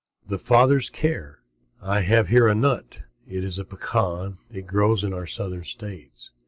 "_ THE FATHER'S CARE I have here a nut. It is a pecan. It grows in our southern states.